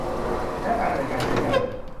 และการจัดการขยะ